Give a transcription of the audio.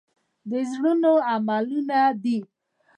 د زړه عملونه دي .